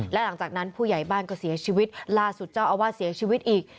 และหลังจากนั้นผู้ใหญ่บ้านก็เสียชีวิตล่าสุดเจ้าอาวาสเสียชีวิตอีก